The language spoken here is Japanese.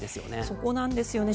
そこなんですよね。